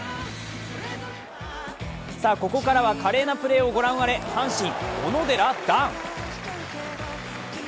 ここからは華麗なプレーをご覧あれ、阪神・小野寺暖。